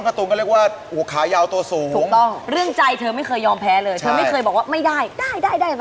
เพื่อให้ตักได้เยอะเลยนะครับ